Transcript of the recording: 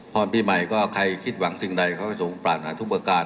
พรปีใหม่ก็ใครคิดหวังสิ่งใดเขาก็จะตรวจหวังตุ้งประหลาดที่ประการ